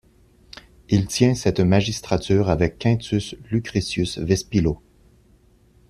Il tient cette magistrature avec Quintus Lucretius Vespillo.